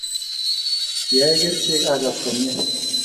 Kiyae kerichek agas komie